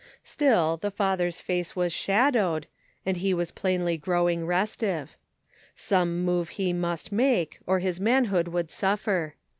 Still, the father's face was shadowed, and he was plainly growing restive. Some move he must make, or his manhood would suffer.